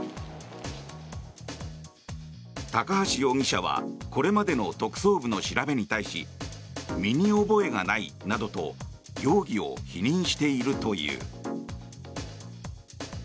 高橋容疑者はこれまでの特捜部の調べに対し身に覚えがないなどと容疑を否認しているという。